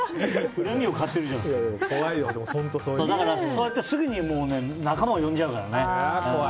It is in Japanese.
そうやってすぐに仲間を呼んじゃうからね。